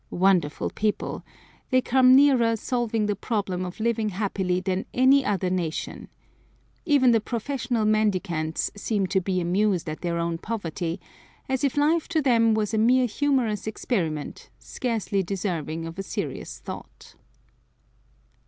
Wonderful people! they come nearer solving the problem of living happily than any other nation. Even the professional mendicants seem to be amused at their own poverty, as if life to them was a mere humorous experiment, scarcely deserving of a serious thought.